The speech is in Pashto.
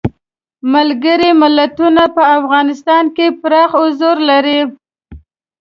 ملګري ملتونه په افغانستان کې پراخ حضور لري.